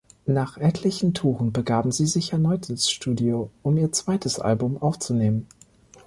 Nach etlichen Touren begaben sie sich erneut ins Studio um ihr zweites Album aufzunehmen.